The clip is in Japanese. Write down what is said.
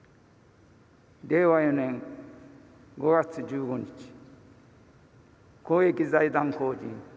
令和４年５月１５日公益財団法人